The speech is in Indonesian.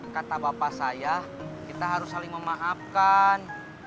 kata bapak saya kita harus saling memaafkan